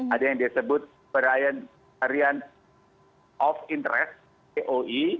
ada yang disebut variant of interest poi